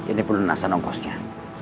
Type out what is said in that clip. ini penelunasan ongkosnya